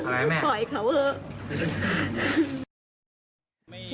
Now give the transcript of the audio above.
อะไรแม่ปล่อยเขาเถอะ